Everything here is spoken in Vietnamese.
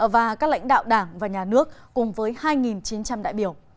và các lãnh đạo đảng và nhà nước cùng với hai chín trăm linh đại biểu